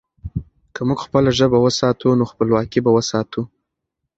که موږ خپله ژبه وساتو، نو خپلواکي به وساتو.